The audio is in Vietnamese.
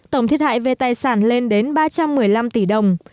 tổng thiệt hại về tài sản lên đến ba trăm một mươi năm tỷ đồng